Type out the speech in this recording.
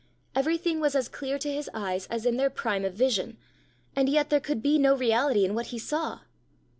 Everything was as clear to his eyes as in their prime of vision, and yet there could be no reality in what he saw!